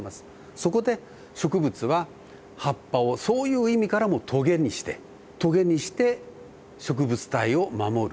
そこで植物は葉っぱをそういう意味からもトゲにしてトゲにして植物体を守る。